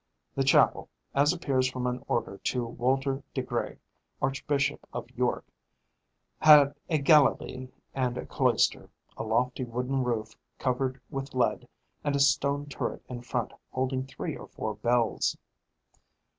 The chapel, as appears from an order to Walter de Grey, Archbishop of York, had a Galilee and a cloister, a lofty wooden roof covered with lead, and a stone turret in front holding three or four bells.